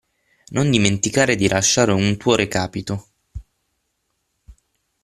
Non dimenticare di lasciare un tuo recapito.